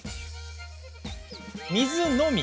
水のみ。